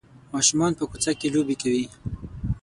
ماشومان په کوڅه کې لوبې کوي.